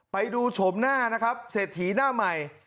ไปดูโฉมหน้านะครับเศรษฐีหน้าใหม่